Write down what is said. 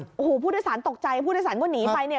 ไม่มีเรื่องผู้โดยสารตกใจผู้โดยสารก็หนีไปเนี่ย